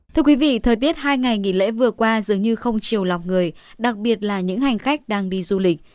thưa quý vị thời tiết hai ngày nghỉ lễ vừa qua dường như không chiều lòng người đặc biệt là những hành khách đang đi du lịch